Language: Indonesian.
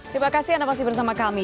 terima kasih anda masih bersama kami